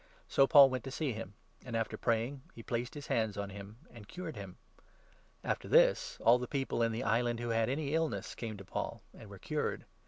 So Paul went to see him ; and, after praying, he placed his hands on him and cured him. After this, all the people in the island who had any illness came 9 to Paul, and were cured.